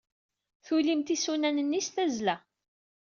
Tulyemt isunan-nni s tazzla.